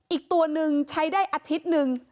อีกตัวหนึ่งใช้ได้อาทิตย์หนึ่ง